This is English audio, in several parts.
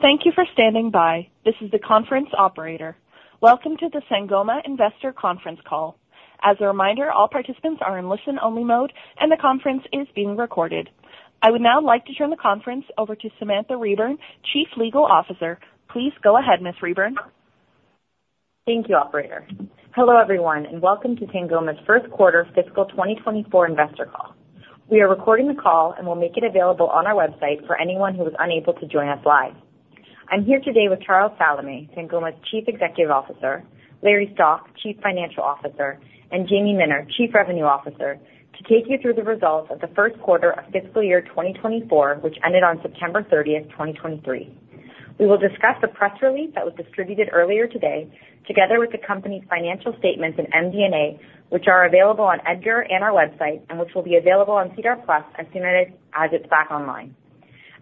Thank you for standing by. This is the conference operator. Welcome to the Sangoma Investor Conference Call. As a reminder, all participants are in listen-only mode, and the conference is being recorded. I would now like to turn the conference over to Samantha Reburn, Chief Legal Officer. Please go ahead, Ms. Reburn. Thank you, operator. Hello, everyone, and welcome to Sangoma's Q1 Fiscal 2024 Investor Call. We are recording the call and will make it available on our website for anyone who was unable to join us live. I'm here today with Charles Salameh, Sangoma's Chief Executive Officer, Larry Stock, Chief Financial Officer, and Jamie Minner, Chief Revenue Officer, to take you through the results of the Q1 of fiscal year 2024, which ended on September 30, 2023. We will discuss the press release that was distributed earlier today, together with the company's financial statements and MD&A, which are available on EDGAR and our website, and which will be available on SEDAR+ as soon as it's back online.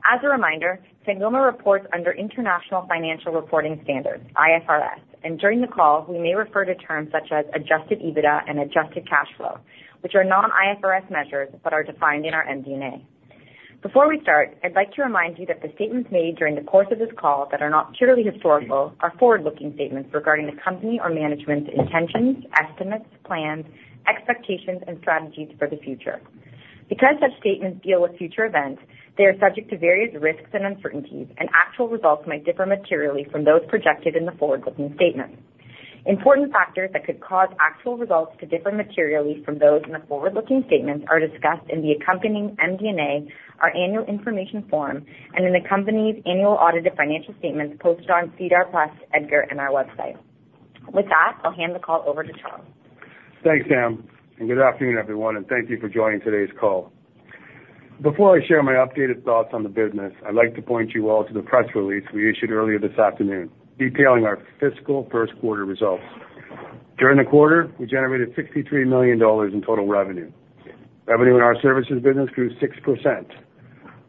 As a reminder, Sangoma reports under International Financial Reporting Standards, IFRS, and during the call, we may refer to terms such as Adjusted EBITDA and adjusted cash flow, which are non-IFRS measures, but are defined in our MD&A. Before we start, I'd like to remind you that the statements made during the course of this call that are not purely historical, are forward-looking statements regarding the company or management's intentions, estimates, plans, expectations, and strategies for the future. Because such statements deal with future events, they are subject to various risks and uncertainties, and actual results may differ materially from those projected in the forward-looking statements. Important factors that could cause actual results to differ materially from those in the forward-looking statements are discussed in the accompanying MD&A, our annual information form, and in the company's annual audited financial statements posted on SEDAR+, EDGAR, and our website. With that, I'll hand the call over to Charles. Thanks, Sam, and good afternoon, everyone, and thank you for joining today's call. Before I share my updated thoughts on the business, I'd like to point you all to the press release we issued earlier this afternoon, detailing our fiscal Q1 results. During the quarter, we generated $63 million in total revenue. Revenue in our services business grew 6%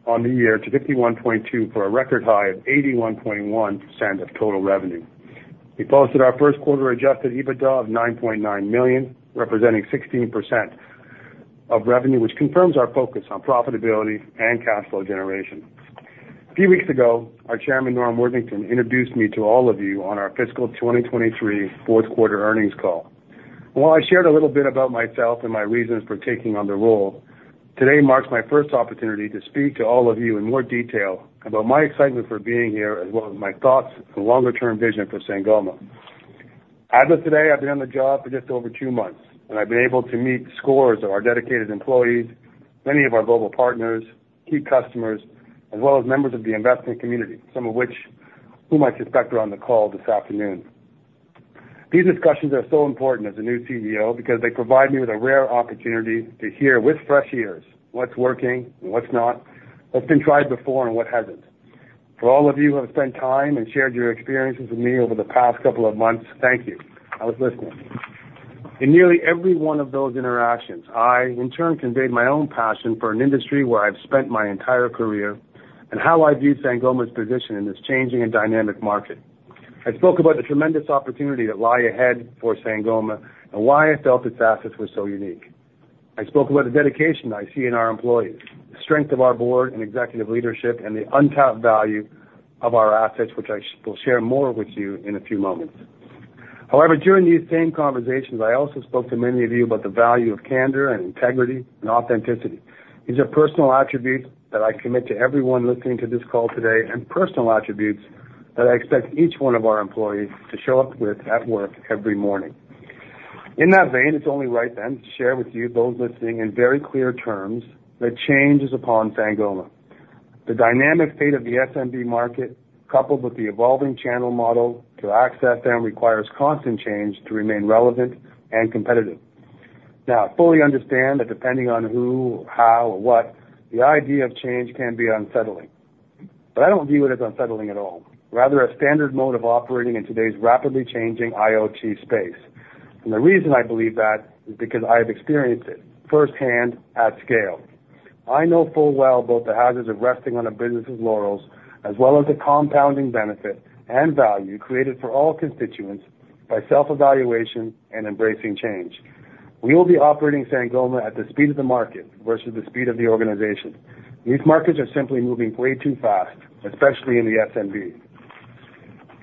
on the year to 51.2, for a record high of 81.1% of total revenue. We posted our Q1 Adjusted EBITDA of $9.9 million, representing 16% of revenue, which confirms our focus on profitability and cash flow generation. A few weeks ago, our chairman, Norm Worthington, introduced me to all of you on our fiscal 2023 Q4 earnings call. While I shared a little bit about myself and my reasons for taking on the role, today marks my first opportunity to speak to all of you in more detail about my excitement for being here, as well as my thoughts and longer-term vision for Sangoma. As of today, I've been on the job for just over two months, and I've been able to meet scores of our dedicated employees, many of our global partners, key customers, as well as members of the investment community, some of which, who I might suspect, are on the call this afternoon. These discussions are so important as a new CEO because they provide me with a rare opportunity to hear with fresh ears what's working and what's not, what's been tried before and what hasn't. For all of you who have spent time and shared your experiences with me over the past couple of months, thank you. I was listening. In nearly every one of those interactions, I, in turn, conveyed my own passion for an industry where I've spent my entire career and how I view Sangoma's position in this changing and dynamic market. I spoke about the tremendous opportunity that lie ahead for Sangoma and why I felt its assets were so unique. I spoke about the dedication I see in our employees, the strength of our board and executive leadership, and the untapped value of our assets, which I will share more with you in a few moments. However, during these same conversations, I also spoke to many of you about the value of candor, and integrity, and authenticity. These are personal attributes that I commit to everyone listening to this call today, and personal attributes that I expect each one of our employees to show up with at work every morning. In that vein, it's only right then to share with you those listening in very clear terms that change is upon Sangoma. The dynamic state of the SMB market, coupled with the evolving channel model to access them, requires constant change to remain relevant and competitive. Now, I fully understand that depending on who, or how, or what, the idea of change can be unsettling, but I don't view it as unsettling at all. Rather, a standard mode of operating in today's rapidly changing IT space. The reason I believe that is because I have experienced it firsthand at scale. I know full well both the hazards of resting on a business' laurels, as well as the compounding benefit and value created for all constituents by self-evaluation and embracing change. We will be operating Sangoma at the speed of the market versus the speed of the organization. These markets are simply moving way too fast, especially in the SMB.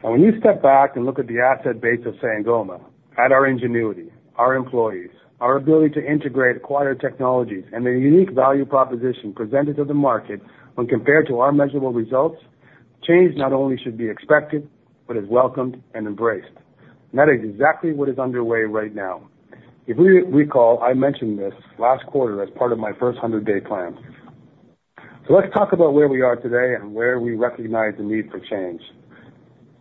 When you step back and look at the asset base of Sangoma, at our ingenuity, our employees, our ability to integrate acquired technologies and the unique value proposition presented to the market when compared to our measurable results, change not only should be expected, but is welcomed and embraced. That is exactly what is underway right now. If we recall, I mentioned this last quarter as part of my first 100-day plan. Let's talk about where we are today and where we recognize the need for change.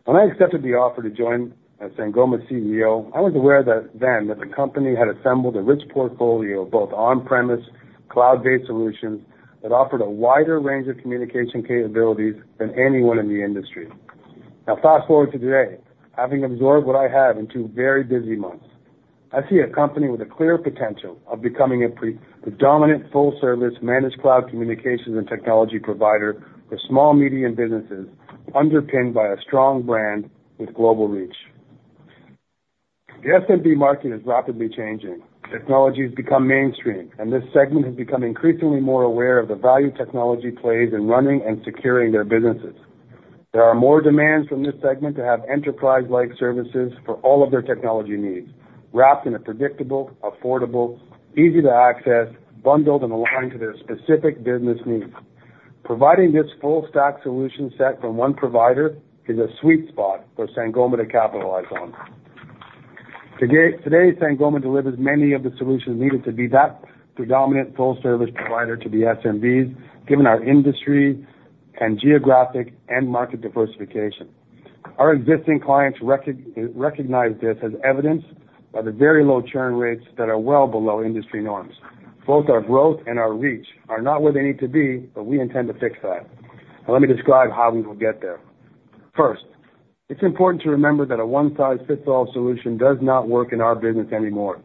When I accepted the offer to join as Sangoma's CEO, I was aware that then the company had assembled a rich portfolio of both on-premise, cloud-based solutions that offered a wider range of communication capabilities than anyone in the industry. Now, fast forward to today, having absorbed what I have in two very busy months, I see a company with a clear potential of becoming the dominant, full-service, managed cloud communications and technology provider for small, medium businesses, underpinned by a strong brand with global reach. The SMB market is rapidly changing. Technology has become mainstream, and this segment has become increasingly more aware of the value technology plays in running and securing their businesses. There are more demands from this segment to have enterprise-like services for all of their technology needs, wrapped in a predictable, affordable, easy-to-access, bundled, and aligned to their specific business needs. Providing this full stack solution set from one provider is a sweet spot for Sangoma to capitalize on. Today, Sangoma delivers many of the solutions needed to be that predominant full service provider to the SMBs, given our industry and geographic and market diversification. Our existing clients recognize this as evidenced by the very low churn rates that are well below industry norms. Both our growth and our reach are not where they need to be, but we intend to fix that. Now, let me describe how we will get there. First, it's important to remember that a one-size-fits-all solution does not work in our business anymore.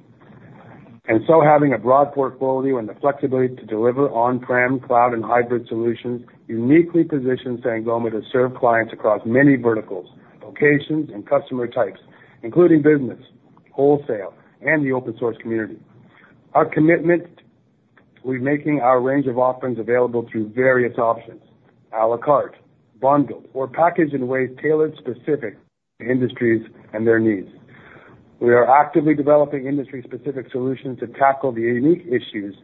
And so having a broad portfolio and the flexibility to deliver on-prem, cloud, and hybrid solutions uniquely positions Sangoma to serve clients across many verticals, locations, and customer types, including business, wholesale, and the open source community. Our commitment to making our range of offerings available through various options, a la carte, bundled, or packaged in ways tailored specific to industries and their needs. We are actively developing industry-specific solutions to tackle the unique issues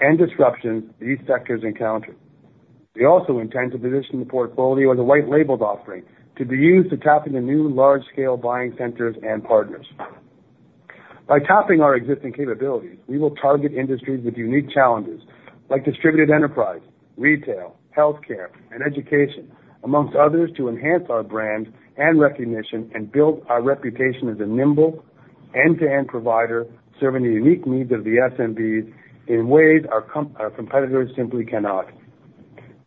and disruptions these sectors encounter. We also intend to position the portfolio as a white labeled offering to be used to tap into new large-scale buying centers and partners. By tapping our existing capabilities, we will target industries with unique challenges, like distributed enterprise, retail, healthcare, and education, amongst others, to enhance our brand and recognition and build our reputation as a nimble, end-to-end provider, serving the unique needs of the SMBs in ways our competitors simply cannot.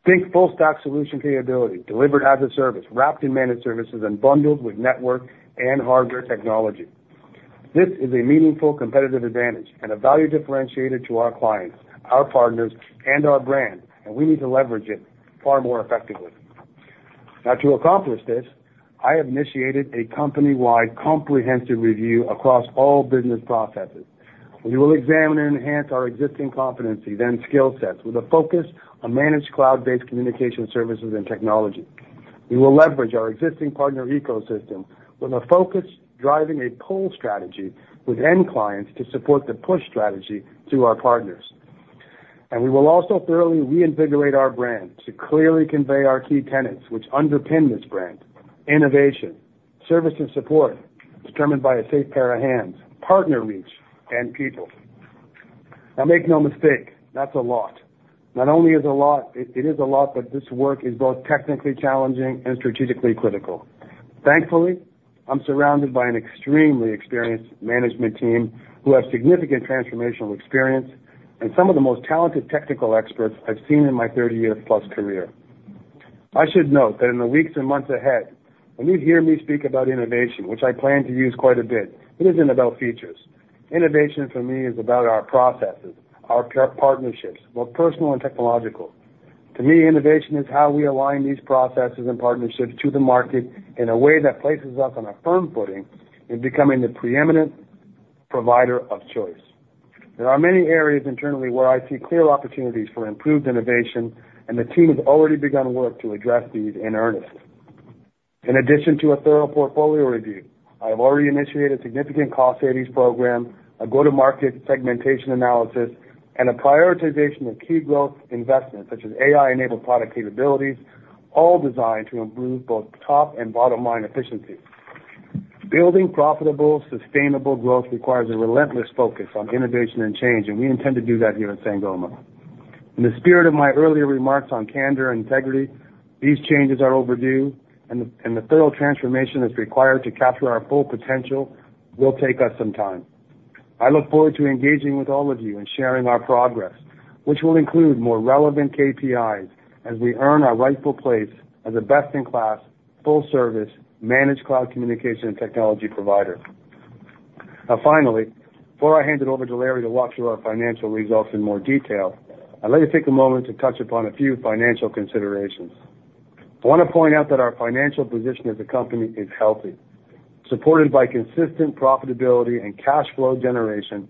Think full stack solution capability delivered as a service, wrapped in managed services, and bundled with network and hardware technology. This is a meaningful competitive advantage and a value differentiator to our clients, our partners, and our brand, and we need to leverage it far more effectively. Now, to accomplish this, I have initiated a company-wide comprehensive review across all business processes. We will examine and enhance our existing competencies and skill sets with a focus on managed cloud-based communication services and technology. We will leverage our existing partner ecosystem with a focus driving a pull strategy with end clients to support the push strategy to our partners. And we will also thoroughly reinvigorate our brand to clearly convey our key tenets, which underpin this brand: innovation, service, and support, determined by a safe pair of hands, partner reach, and people. Now, make no mistake, that's a lot. Not only is a lot, it, it is a lot, but this work is both technically challenging and strategically critical. Thankfully, I'm surrounded by an extremely experienced management team who have significant transformational experience and some of the most talented technical experts I've seen in my 30-year-plus career. I should note that in the weeks and months ahead, when you hear me speak about innovation, which I plan to use quite a bit, it isn't about features. Innovation, for me, is about our processes, our partnerships, both personal and technological. To me, innovation is how we align these processes and partnerships to the market in a way that places us on a firm footing in becoming the preeminent provider of choice. There are many areas internally where I see clear opportunities for improved innovation, and the team has already begun work to address these in earnest. In addition to a thorough portfolio review, I have already initiated a significant cost savings program, a go-to-market segmentation analysis, and a prioritization of key growth investments, such as AI-enabled product capabilities, all designed to improve both top and bottom line efficiency. Building profitable, sustainable growth requires a relentless focus on innovation and change, and we intend to do that here at Sangoma. In the spirit of my earlier remarks on candor and integrity, these changes are overdue, and the thorough transformation that's required to capture our full potential will take us some time. I look forward to engaging with all of you and sharing our progress, which will include more relevant KPIs as we earn our rightful place as a best-in-class, full-service, managed cloud communication and technology provider. Now, finally, before I hand it over to Larry to walk through our financial results in more detail, I'd like to take a moment to touch upon a few financial considerations. I want to point out that our financial position as a company is healthy, supported by consistent profitability and cash flow generation.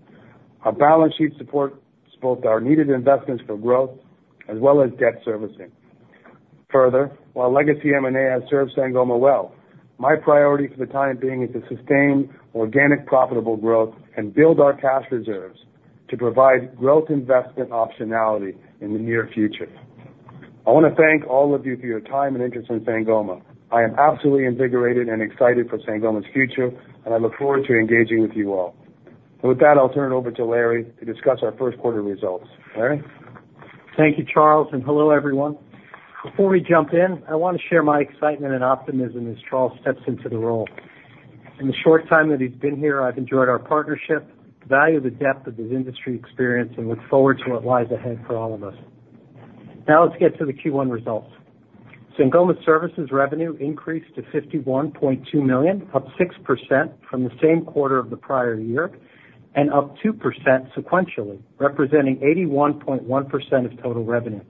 Our balance sheet supports both our needed investments for growth as well as debt servicing. Further, while legacy M&A has served Sangoma well, my priority for the time being is to sustain organic, profitable growth and build our cash reserves to provide growth investment optionality in the near future. I want to thank all of you for your time and interest in Sangoma. I am absolutely invigorated and excited for Sangoma's future, and I look forward to engaging with you all. So with that, I'll turn it over to Larry to discuss our Q1 results. Larry? Thank you, Charles, and hello, everyone. Before we jump in, I want to share my excitement and optimism as Charles steps into the role. In the short time that he's been here, I've enjoyed our partnership, the value, the depth of his industry experience, and look forward to what lies ahead for all of us. Now, let's get to the Q1 results. Sangoma Services revenue increased to $51.2 million, up 6% from the same quarter of the prior year, and up 2% sequentially, representing 81.1% of total revenue.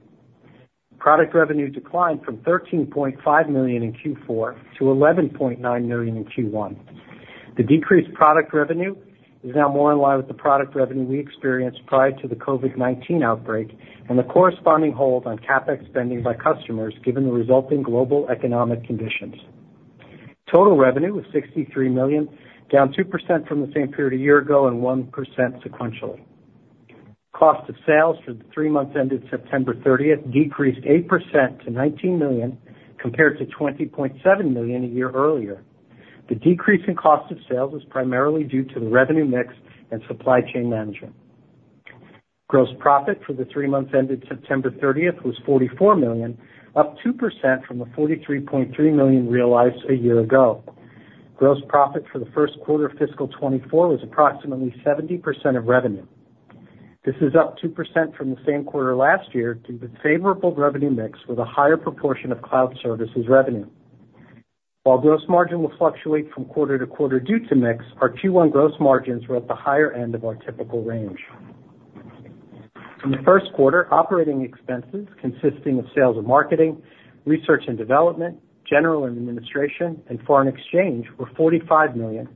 Product revenue declined from $13.5 million in Q4 to $11.9 million in Q1. The decreased product revenue is now more in line with the product revenue we experienced prior to the COVID-19 outbreak and the corresponding hold on CapEx spending by customers, given the resulting global economic conditions. Total revenue was $63 million, down 2% from the same period a year ago and 1% sequentially. Cost of sales for the three months ended September 30 decreased 8% to $19 million, compared to $20.7 million a year earlier. The decrease in cost of sales was primarily due to the revenue mix and supply chain management. Gross profit for the three months ended September 30 was $44 million, up 2% from the $43.3 million realized a year ago. Gross profit for the Q1 of fiscal 2024 was approximately 70% of revenue. This is up 2% from the same quarter last year, due to favorable revenue mix with a higher proportion of cloud services revenue. While gross margin will fluctuate from quarter-to-quarter due to mix, our Q1 gross margins were at the higher end of our typical range. In the Q1, operating expenses, consisting of sales and marketing, research and development, general and administration, and foreign exchange, were $45 million,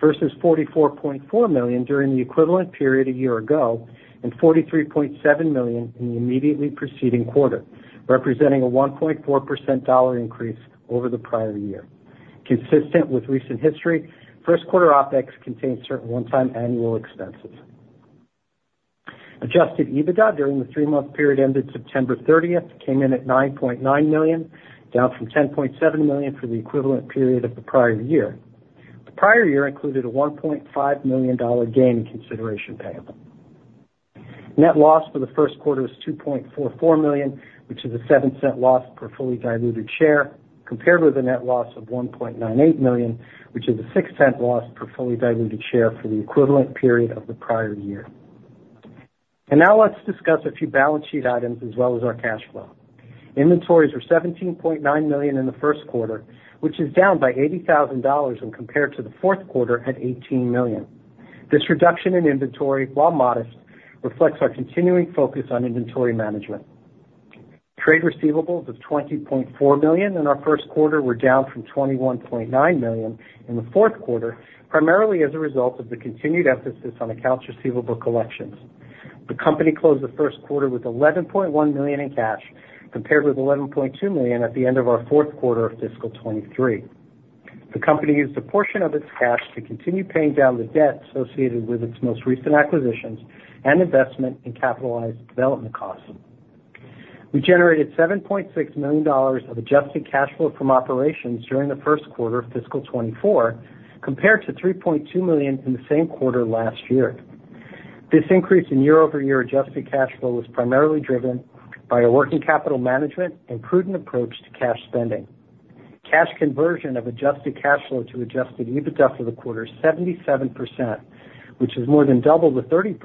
versus $44.4 million during the equivalent period a year ago, and $43.7 million in the immediately preceding quarter, representing a 1.4% dollar increase over the prior year. Consistent with recent history, Q1 OpEx contained certain one-time annual expenses. Adjusted EBITDA during the three-month period ended September 30, came in at $9.9 million, down from $10.7 million for the equivalent period of the prior year. The prior year included a $1.5 million dollar gain in consideration payable. Net loss for the Q1 was $2.44 million, which is a $0.07 loss per fully diluted share, compared with a net loss of $1.98 million, which is a $0.06 loss per fully diluted share for the equivalent period of the prior year. Now let's discuss a few balance sheet items as well as our cash flow. Inventories were $17.9 million in the Q1, which is down by $80,000 when compared to the Q4 at $18 million. This reduction in inventory, while modest, reflects our continuing focus on inventory management. Trade receivables of $20.4 million in our Q1 were down from $21.9 million in the Q4, primarily as a result of the continued emphasis on accounts receivable collections. The company closed the Q1 with $11.1 million in cash, compared with $11.2 million at the end of our Q4 of fiscal 2023. The company used a portion of its cash to continue paying down the debt associated with its most recent acquisitions and investment in capitalized development costs. We generated $7.6 million of adjusted cash flow from operations during the Q1 of fiscal 2024, compared to $3.2 million in the same quarter last year. This increase in year-over-year adjusted cash flow was primarily driven by a working capital management and prudent approach to cash spending. Cash conversion of adjusted cash flow to Adjusted EBITDA for the quarter is 77%, which is more than double the 30%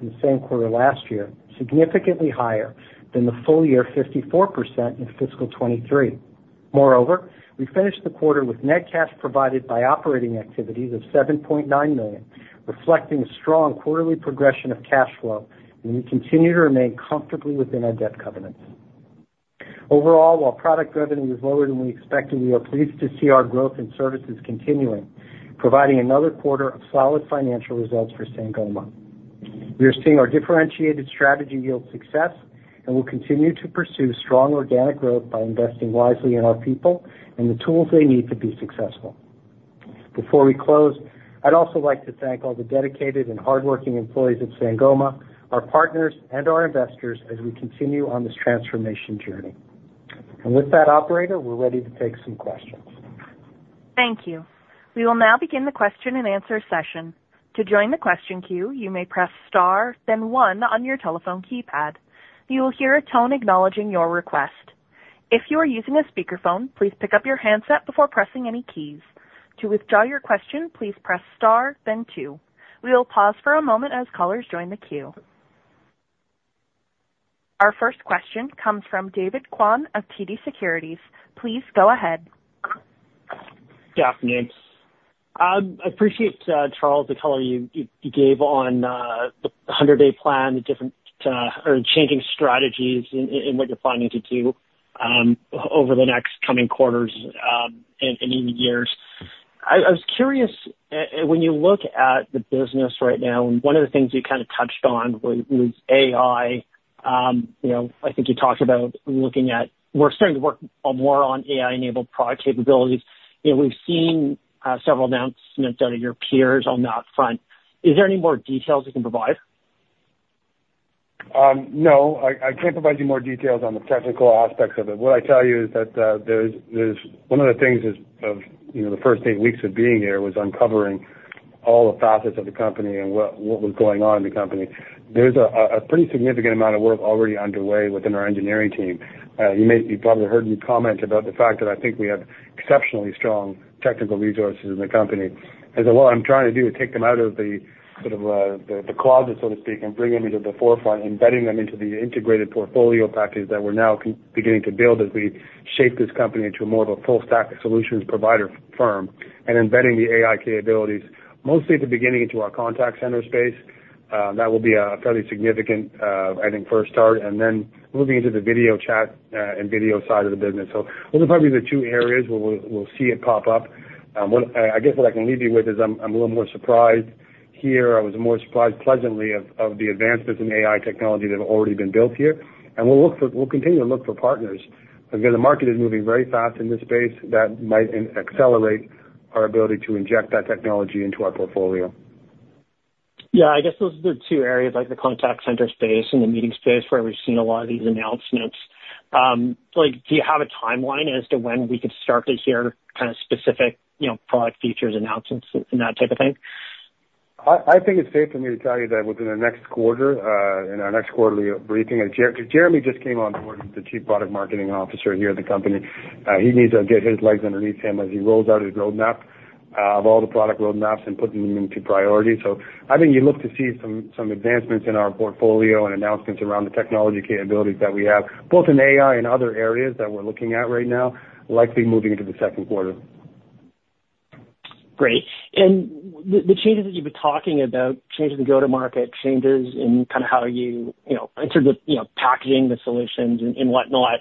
in the same quarter last year, significantly higher than the full year 54% in fiscal 2023. Moreover, we finished the quarter with net cash provided by operating activities of 7.9 million, reflecting a strong quarterly progression of cash flow, and we continue to remain comfortably within our debt covenants. Overall, while product revenue was lower than we expected, we are pleased to see our growth in services continuing, providing another quarter of solid financial results for Sangoma. We are seeing our differentiated strategy yield success, and we'll continue to pursue strong organic growth by investing wisely in our people and the tools they need to be successful. Before we close, I'd also like to thank all the dedicated and hardworking employees at Sangoma, our partners, and our investors as we continue on this transformation journey. With that, operator, we're ready to take some questions. Thank you. We will now begin the question-and-answer session. To join the question queue, you may press star, then one on your telephone keypad. You will hear a tone acknowledging your request. If you are using a speakerphone, please pick up your handset before pressing any keys. To withdraw your question, please press star, then two. We will pause for a moment as callers join the queue. Our first question comes from David Kwan of TD Securities. Please go ahead. Good afternoon. I appreciate, Charles, the color you gave on the 100-day plan, the different or changing strategies in what you're planning to do over the next coming quarters, and even years. I was curious, when you look at the business right now, and one of the things you kind of touched on was AI. You know, I think you talked about looking at—we're starting to work more on AI-enabled product capabilities. You know, we've seen several announcements out of your peers on that front. Is there any more details you can provide? No, I can't provide you more details on the technical aspects of it. What I tell you is that there's one of the things is, you know, the first eight weeks of being here was uncovering all the facets of the company and what was going on in the company. There's a pretty significant amount of work already underway within our engineering team. You probably heard me comment about the fact that I think we have exceptionally strong technical resources in the company. And so what I'm trying to do is take them out of the, sort of, the closet, so to speak, and bring them into the forefront, embedding them into the integrated portfolio package that we're now beginning to build as we shape this company into more of a full-stack solutions provider firm, and embedding the AI capabilities, mostly at the beginning, into our contact center space. That will be a fairly significant, I think, first start, and then moving into the video chat and video side of the business. So those are probably the two areas where we'll see it pop up. I guess what I can leave you with is I'm a little more surprised. Here, I was more surprised pleasantly of the advancements in AI technology that have already been built here. We'll continue to look for partners, because the market is moving very fast in this space that might accelerate our ability to inject that technology into our portfolio. Yeah, I guess those are the two areas, like the contact center space and the meeting space, where we've seen a lot of these announcements. Like, do you have a timeline as to when we could start to hear kind of specific, you know, product features, announcements, and that type of thing? I think it's safe for me to tell you that within the next quarter, in our next quarterly briefing. And Jeremy just came on board as the Chief Product Marketing Officer here at the company. He needs to get his legs underneath him as he rolls out his roadmap, of all the product roadmaps and putting them into priority. So I think you look to see some, some advancements in our portfolio and announcements around the technology capabilities that we have, both in AI and other areas that we're looking at right now, likely moving into the Q2. Great. And the changes that you've been talking about, changes in go-to-market, changes in kind of how you, you know, in terms of, you know, packaging the solutions and whatnot.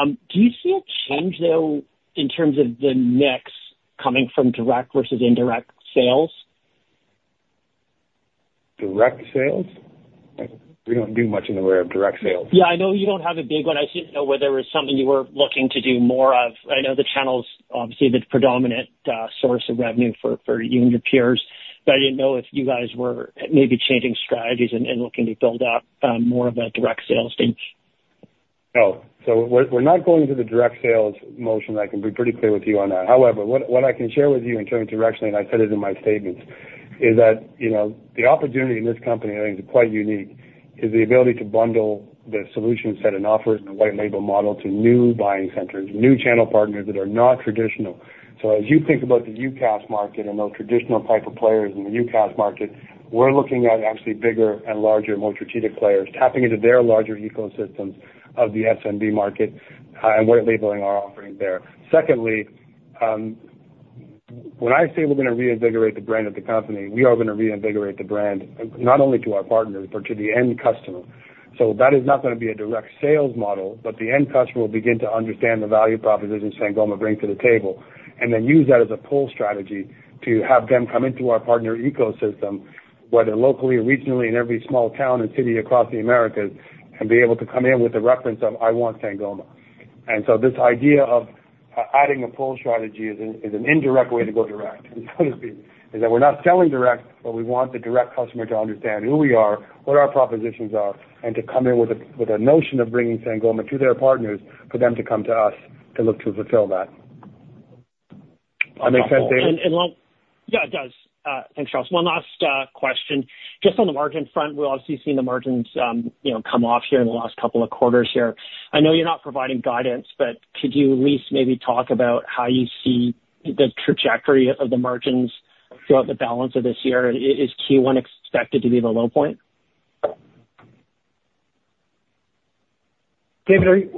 Do you see a change, though, in terms of the mix coming from direct versus indirect sales? Direct sales? We don't do much in the way of direct sales. Yeah, I know you don't have a big one. I just didn't know whether it was something you were looking to do more of. I know the channel's obviously the predominant source of revenue for you and your peers, but I didn't know if you guys were maybe changing strategies and looking to build out more of a direct sales stage. Oh, so we're not going to the direct sales motion. I can be pretty clear with you on that. However, what I can share with you in terms of direction, and I said it in my statements, is that, you know, the opportunity in this company, I think, is quite unique, is the ability to bundle the solution set and offers in a white label model to new buying centers, new channel partners that are not traditional. So as you think about the UCaaS market and those traditional type of players in the UCaaS market, we're looking at actually bigger and larger, more strategic players, tapping into their larger ecosystems of the SMB market, and white labeling our offerings there. Secondly, when I say we're gonna reinvigorate the brand of the company, we are gonna reinvigorate the brand, not only to our partners, but to the end customer. So that is not gonna be a direct sales model, but the end customer will begin to understand the value propositions Sangoma bring to the table, and then use that as a pull strategy to have them come into our partner ecosystem, whether locally or regionally, in every small town and city across the Americas, and be able to come in with a reference of, "I want Sangoma." And so this idea of adding a pull strategy is an indirect way to go direct, so to speak, is that we're not selling direct, but we want the direct customer to understand who we are, what our propositions are, and to come in with a notion of bringing Sangoma to their partners, for them to come to us to look to fulfill that. That make sense, David? Yeah, it does. Thanks, Charles. One last question. Just on the margin front, we've obviously seen the margins, you know, come off here in the last couple of quarters here. I know you're not providing guidance, but could you at least maybe talk about how you see the trajectory of the margins throughout the balance of this year? Is Q1 expected to be the low point? David,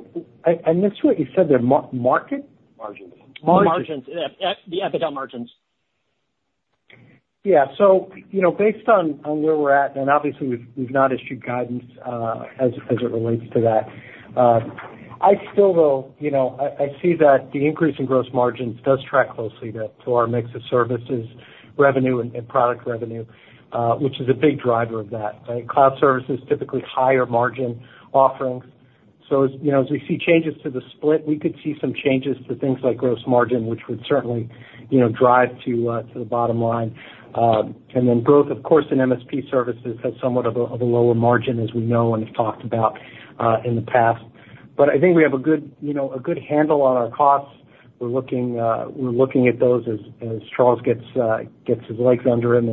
I missed what you said there. Market? Margins. Margins, yep. The EBITDA margins. Yeah. So, you know, based on where we're at, and obviously we've not issued guidance, as it relates to that, I still though, you know, I see that the increase in gross margins does track closely to our mix of services revenue, and product revenue, which is a big driver of that, right? Cloud services, typically higher margin offerings. So, you know, as we see changes to the split, we could see some changes to things like gross margin, which would certainly, you know, drive to the bottom line. And then growth, of course, in MSP services has somewhat of a lower margin, as we know and have talked about in the past. But I think we have a good, you know, a good handle on our costs. We're looking at those as Charles gets his legs under him.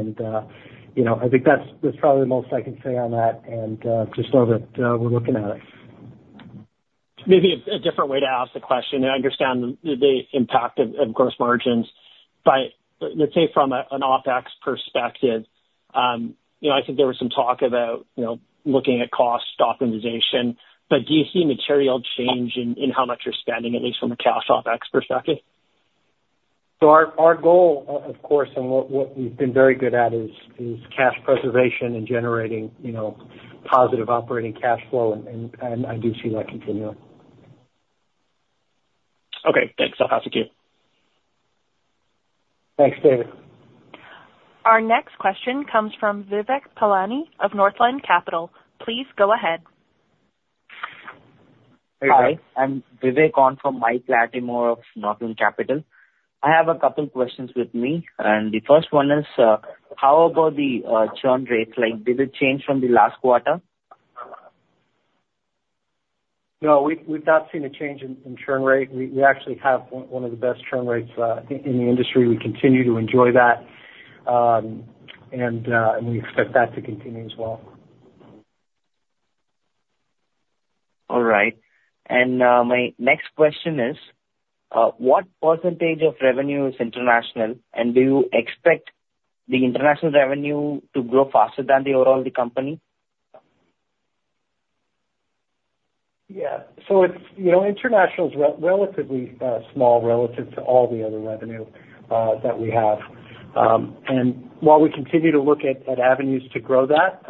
You know, I think that's probably the most I can say on that, and just know that we're looking at it. Maybe a different way to ask the question, and I understand the impact of gross margins. But let's say from an OpEx perspective, you know, I think there was some talk about, you know, looking at cost optimization, but do you see material change in how much you're spending, at least from a cash OpEx perspective? So our goal, of course, and what we've been very good at, is cash preservation and generating, you know, positive operating cash flow, and I do see that continuing. Okay, thanks. I'll pass it to you. Thanks, David. Our next question comes from Vivek Palani of Northland Capital Markets. Please go ahead. Hey, Vivek. Hi, I'm Vivek on from Mike Latimore of Northland Capital Markets. I have a couple questions with me, and the first one is: How about the churn rate? Like, did it change from the last quarter? No, we've not seen a change in churn rate. We actually have one of the best churn rates in the industry. We continue to enjoy that. And we expect that to continue as well. All right. My next question is: What percentage of revenue is international, and do you expect the international revenue to grow faster than the overall the company? Yeah. So it's you know, international is relatively small relative to all the other revenue that we have. And while we continue to look at avenues to grow that,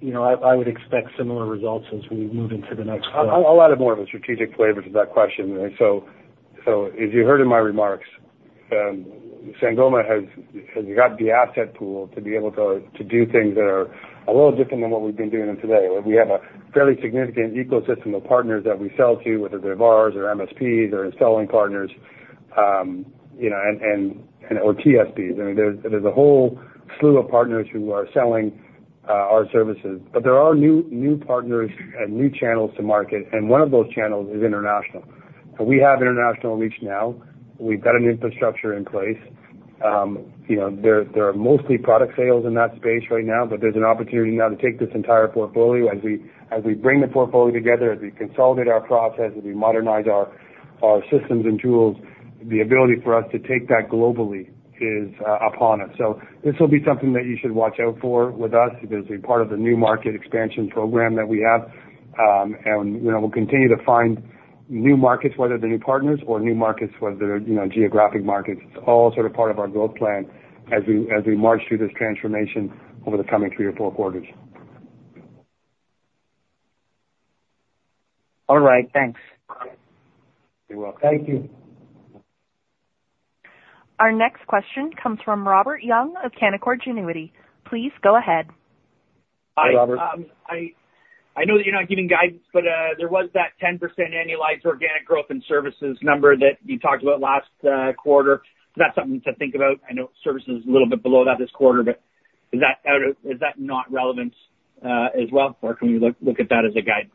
you know, I would expect similar results as we move into the next quarter. I'll add more of a strategic flavor to that question. So as you heard in my remarks, Sangoma has got the asset pool to be able to do things that are a little different than what we've been doing today, where we have a fairly significant ecosystem of partners that we sell to, whether they're VARs or MSPs or selling partners, you know, and or TSPs. I mean, there's a whole slew of partners who are selling our services, but there are new partners and new channels to market, and one of those channels is international. So we have international reach now. We've got an infrastructure in place. You know, there are mostly product sales in that space right now, but there's an opportunity now to take this entire portfolio. As we, as we bring the portfolio together, as we consolidate our process, as we modernize our, our systems and tools, the ability for us to take that globally is upon us. So this will be something that you should watch out for with us, because part of the new market expansion program that we have, and, you know, we'll continue to find new markets, whether they're new partners or new markets, whether, you know, geographic markets. It's all sort of part of our growth plan as we, as we march through this transformation over the coming three or four quarters. All right. Thanks. You're welcome. Thank you. Our next question comes from Robert Young of Canaccord Genuity. Please go ahead. Hi, Robert. I know that you're not giving guidance, but there was that 10% annualized organic growth in services number that you talked about last quarter. Is that something to think about? I know services is a little bit below that this quarter, but is that out of- is that not relevant, as well, or can we look at that as a guide?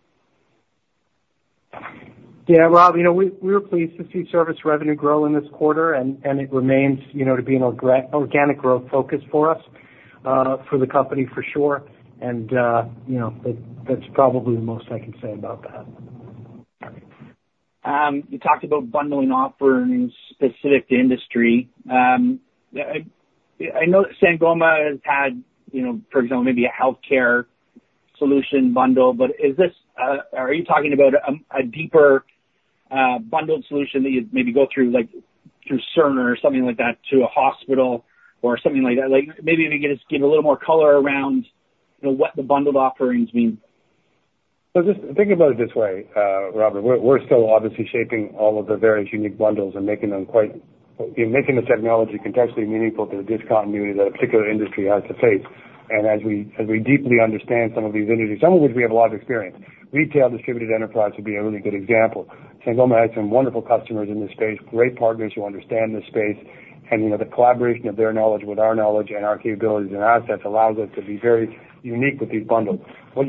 Yeah, Rob, you know, we were pleased to see service revenue grow in this quarter, and it remains, you know, to be an organic growth focus for us, for the company, for sure. And, you know, that's probably the most I can say about that. You talked about bundling offerings specific to industry. I know that Sangoma has had, you know, for example, maybe a healthcare solution bundle. But is this, are you talking about, a deeper, bundled solution that you'd maybe go through, like, through Cerner or something like that, to a hospital or something like that? Like, maybe if you could just give a little more color around, you know, what the bundled offerings mean. So just think about it this way, Robert, we're still obviously shaping all of the various unique bundles and making them quite in making the technology contextually meaningful to the discontinuity that a particular industry has to face. And as we deeply understand some of these industries, some of which we have a lot of experience. Retail distributed enterprise would be a really good example. Sangoma has some wonderful customers in this space, great partners who understand this space, and, you know, the collaboration of their knowledge with our knowledge and our capabilities and assets allows us to be very unique with these bundles. What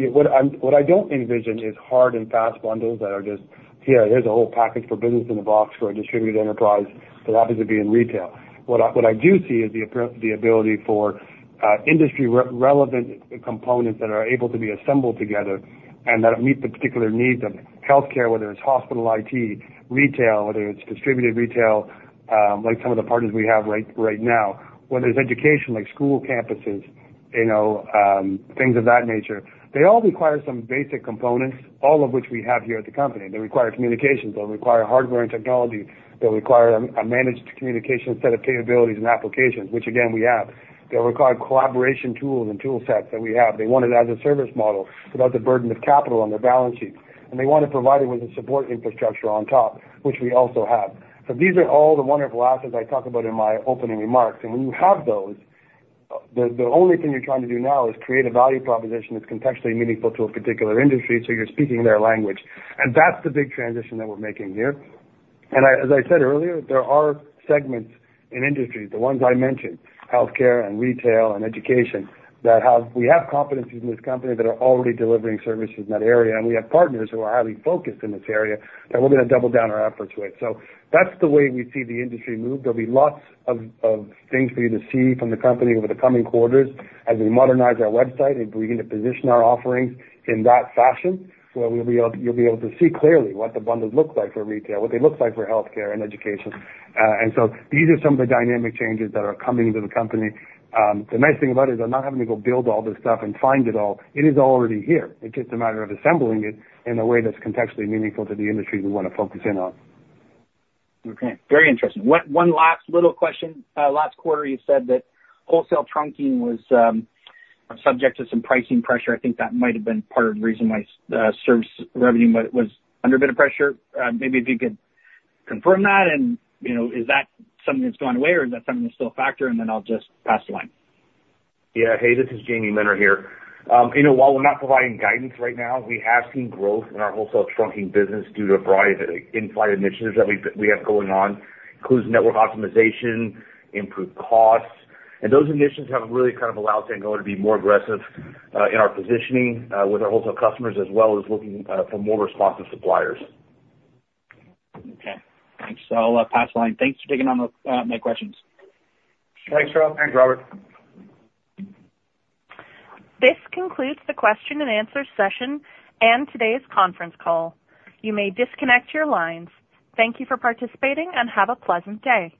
I don't envision is hard and fast bundles that are just, here, there's a whole package for business in a box for a distributed enterprise that happens to be in retail. What I do see is the ability for industry relevant components that are able to be assembled together and that meet the particular needs of healthcare, whether it's hospital, IT, retail, whether it's distributed retail, like some of the partners we have right now. Whether it's education, like school campuses, you know, things of that nature. They all require some basic components, all of which we have here at the company. They require communications, they'll require hardware and technology. They'll require a managed communication set of capabilities and applications, which again, we have. They'll require collaboration tools and tool sets that we have. They want it as a service model, without the burden of capital on their balance sheets, and they want to provide it with the support infrastructure on top, which we also have. So these are all the wonderful assets I talked about in my opening remarks. And when you have those, the only thing you're trying to do now is create a value proposition that's contextually meaningful to a particular industry, so you're speaking their language. And that's the big transition that we're making here. And as I said earlier, there are segments in industries, the ones I mentioned, healthcare and retail and education, that have, we have competencies in this company that are already delivering services in that area, and we have partners who are highly focused in this area, that we're gonna double down our efforts with. So that's the way we see the industry move. There'll be lots of things for you to see from the company over the coming quarters, as we modernize our website and begin to position our offerings in that fashion, so that we'll be able, you'll be able to see clearly what the bundles look like for retail, what they look like for healthcare and education. And so these are some of the dynamic changes that are coming to the company. The nice thing about it is I'm not having to go build all this stuff and find it all. It is already here. It's just a matter of assembling it in a way that's contextually meaningful to the industry we want to focus in on. Okay. Very interesting. One last little question. Last quarter, you said that wholesale trunking was subject to some pricing pressure. I think that might have been part of the reason why service revenue was under a bit of pressure. Maybe if you could confirm that, and, you know, is that something that's gone away, or is that something that's still a factor? And then I'll just pass the line. Yeah. Hey, this is Jamie Minner here. You know, while we're not providing guidance right now, we have seen growth in our wholesale trunking business due to a variety of in-flight initiatives that we have going on, includes network optimization, improved costs. And those initiatives have really kind of allowed Sangoma to be more aggressive in our positioning with our wholesale customers, as well as looking for more responsive suppliers. Okay, thanks. I'll pass the line. Thanks for taking on my questions. Thanks, Rob. Thanks, Robert. This concludes the question and answer session and today's conference call. You may disconnect your lines. Thank you for participating, and have a pleasant day.